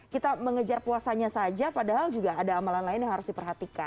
kita mengejar puasanya saja padahal juga ada amalan lain yang harus diperhatikan